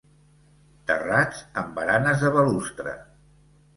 Terrats amb baranes de balustre.